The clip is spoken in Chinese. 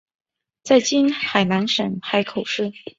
在今海南省海口市。